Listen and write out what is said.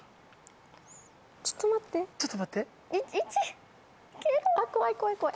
ちょっと待ってちょっと待って１消えろ！